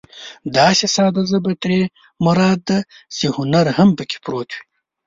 داسې ساده ژبه ترې مراد ده چې هنر هم پکې پروت وي.